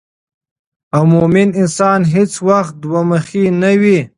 او مومن انسان هیڅ وخت دوه مخې نه وي